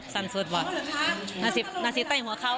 สั้นสุดบ่นาศิใต้หมัวเข้า